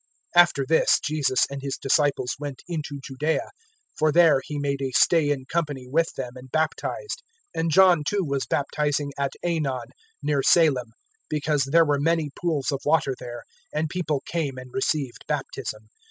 003:022 After this Jesus and His disciples went into Judaea; and there He made a stay in company with them and baptized. 003:023 And John too was baptizing at Aenon, near Salim, because there were many pools of water there; and people came and received baptism.